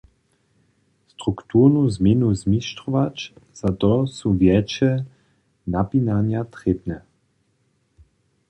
Strukturnu změnu zmištrować, za to su wjetše napinanja trěbne.